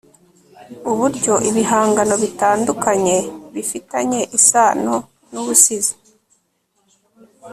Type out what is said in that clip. uburyo ibihangano bitandukanye bifitanye isano nubusizi